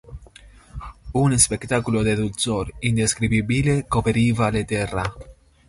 Un spectaculo de dulcor indescribibile coperiva le terra.